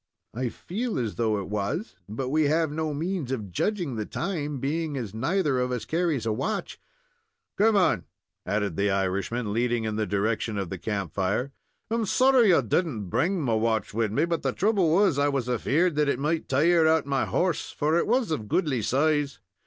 "I feel as though it was, but we have no means of judging the time, being as neither of us carries a watch." "Come on," added the Irishman, leading in the direction of the camp fire. "I'm sorry I didn't bring my watch wid me, but the trouble was, I was afeard that it might tire out my horse, for it was of goodly size.